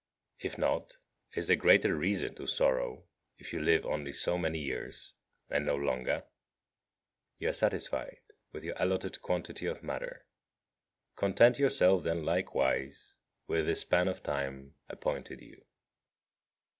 If not, is there greater reason to sorrow if you live only so many years and no longer? You are satisfied with your allotted quantity of matter; content yourself then likewise with the span of time appointed you.